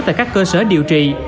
tại các cơ sở điều trị